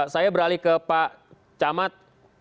saya beralih ke pak camat